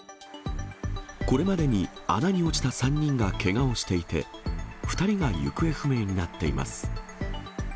これまでに穴に落ちた３人がけがをしていて、２人が行方不明になっています。